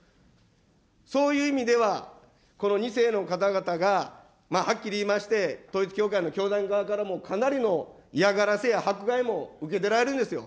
そういう意味では、この２世の方々がはっきり言いまして、統一教会の教団側からもかなりの嫌がらせや迫害も受けてられるんですよ。